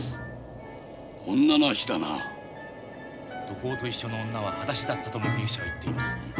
土工と一緒の女ははだしだったと目撃者は言っています。